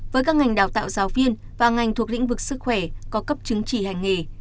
với các ngành đào tạo giáo viên và ngành thuộc lĩnh vực sức khỏe có cấp chứng chỉ hành nghề